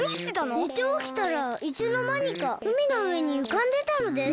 ねておきたらいつのまにかうみのうえにうかんでたのです。